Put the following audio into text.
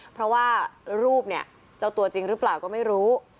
เพราะว่ารูปเนี่ยเจ้าตัวจริงหรือเปล่าก็ไม่รู้